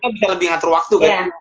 bisa lebih ngatur waktu kan